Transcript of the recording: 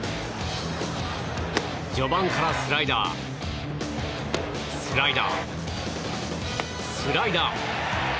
序盤からスライダースライダー、スライダー。